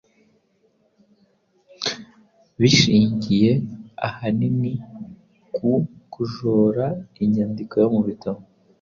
bishingiye ahanini ku kujora inyandiko yo mu bitabo